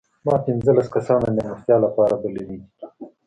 ما پنځلس کسان د مېلمستیا لپاره بللي دي.